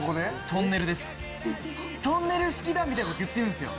「トンネル好きだ」みたいなこと言ってるんですよ。